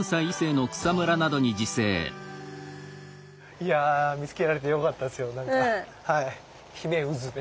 いや見つけられてよかったですよなんかヒメウズね。